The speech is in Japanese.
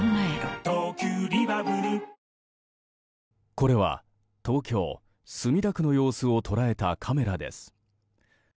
これは、東京・墨田区の様子を捉えたカメラです。